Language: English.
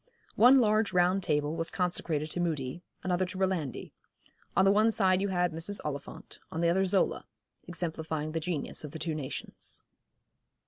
One large round table was consecrated to Mudie, another to Rolandi. On the one side you had Mrs. Oliphant, on the other Zola, exemplifying the genius of the two nations.